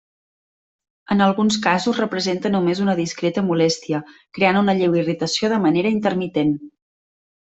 En alguns casos representa només una discreta molèstia, creant una lleu irritació de manera intermitent.